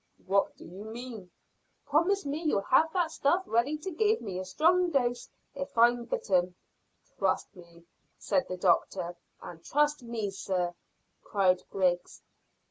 "What do you mean?" "Promise me you'll have that stuff ready to give me a strong dose if I'm bitten." "Trust me," said the doctor. "And trust me, sir," cried Griggs.